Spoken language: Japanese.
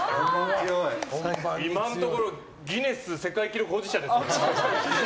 今のところギネス世界記録保持者です。